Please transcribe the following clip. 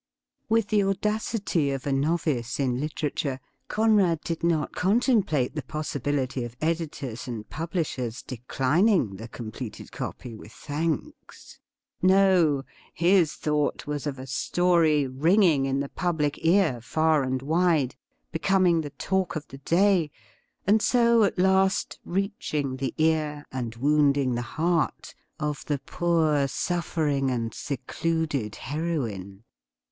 With the audacity of a novice in literature, Conrad did not contemplate the possibility of editors and publishers nleclining the completed copy with thanks. No; his 14 THE RIDDLE RING thought was of a story ringing in the public ear far and wide, becoming the talk of the day, and so at last reaching the ear and wounding the heart of the poor suffering and secluded heroine.